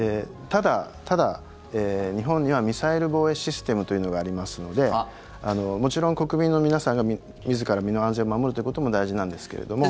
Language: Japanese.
ただ、日本にはミサイル防衛システムというのがありますのでもちろん国民の皆さんが自ら身の安全を守るということも大事なんですけれども。